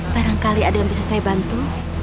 barangkali ada yang bisa saya bantu